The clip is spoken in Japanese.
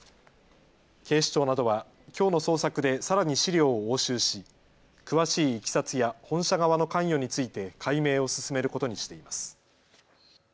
警視庁などはきょうの捜索でさらに資料を押収し詳しいいきさつや本社側の関与について解明を進めることにしています。